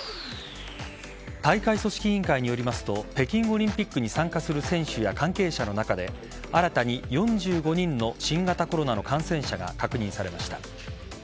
大会組織委員会によりますと北京オリンピックに参加する選手や関係者の中で新たに４５人の新型コロナの感染者が確認されました。